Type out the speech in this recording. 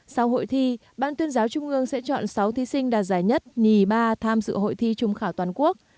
sau hội thi ban tuyên giáo trung ương sẽ chọn sáu thí sinh đạt giải nhất nhì ba tham dự hội thi trung khảo toàn quốc